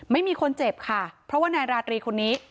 ไม่มีคนเจ็บค่ะเพราะว่านายราตรีคนนี้